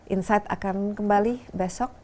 insight akan kembali besok